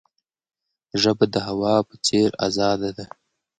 ژبه د هوا په څیر آزاده ده.